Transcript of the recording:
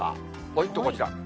ポイントはこちら。